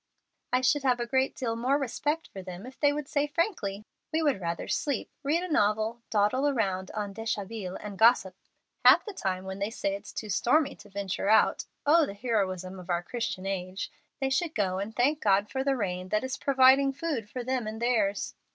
I should have a great deal more respect for them if they would say frankly, 'We would rather sleep, read a novel, dawdle around en deshabille, and gossip.' Half the time when they say it's too stormy to venture out (oh, the heroism of our Christian age!), they should go and thank God for the rain that is providing food for them and theirs.